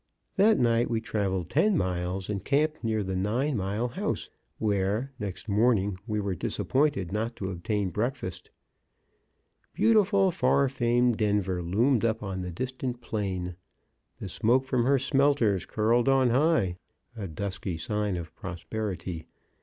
That night we traveled ten miles and camped near the Nine Mile House, where, next morning, we were disappointed not to obtain breakfast. Beautiful, far famed Denver loomed up on the distant plain. The smoke from her smelters curled on high, a dusky sign of prosperity.